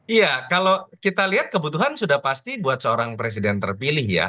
iya kalau kita lihat kebutuhan sudah pasti buat seorang presiden terpilih ya